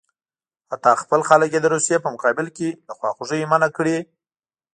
حتی خپل خلک یې د روسیې په مقابل کې له خواخوږۍ منع کړي.